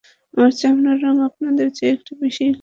আমার চামড়ার রং আপনাদের চেয়ে একটু বেশিই কালো!